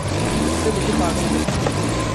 तुमने मुझे पागल कर दिया।